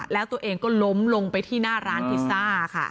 แล้วตัวเองก็ล้มลงไปที่หน้าร้านพิซซ่าค่ะ